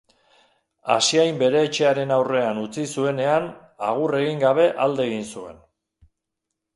Asiain bere etxearen aurrean utzi zuenean, agur egin gabe alde egin zuen.